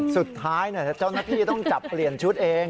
สุดท้ายเจ้าหน้าที่ต้องจับเปลี่ยนชุดเอง